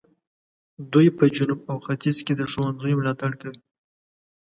دوی په جنوب او ختیځ کې د ښوونځیو ملاتړ کوي.